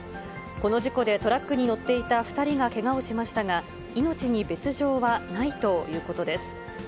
この事故でトラックに乗っていた２人がけがをしましたが、命に別状はないということです。